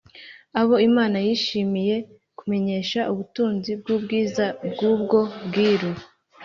abo Imana yishimiye kumenyesha ubutunzi bw’ubwiza bw’ubwo bwiru